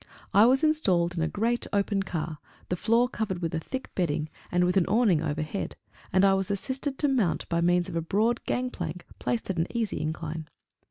I was installed in a great open car, the floor covered with a thick bedding, and with an awning overhead; and I was assisted to mount by means of a broad gang plank placed at an easy incline.